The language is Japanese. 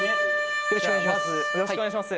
よろしくお願いします。